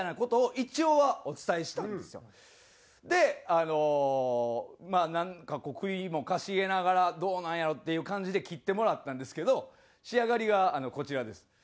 あのまあなんかこう首もかしげながらどうなんやろうっていう感じで切ってもらったんですけど仕上がりがこちらです。